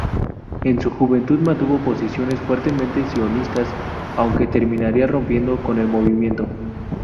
En su juventud mantuvo posiciones fuertemente sionistas, aunque terminaría rompiendo con el movimiento.